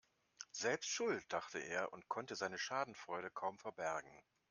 Selbst schuld, dachte er und konnte seine Schadenfreude kaum verbergen.